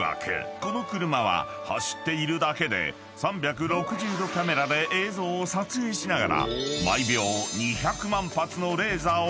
この車は走っているだけで３６０度カメラで映像を撮影しながら］